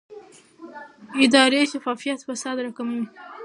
اداري شفافیت فساد راکموي